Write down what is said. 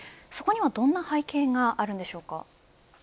そこにはどんな背景があるのでしょうか。